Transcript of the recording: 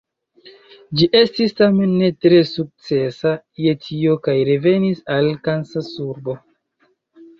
Ĝi estis tamen ne tre sukcesa je tio kaj revenis al Kansasurbo.